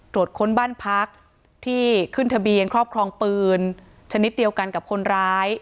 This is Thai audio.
ค้นบ้านพักที่ขึ้นทะเบียนครอบครองปืนชนิดเดียวกันกับคนร้าย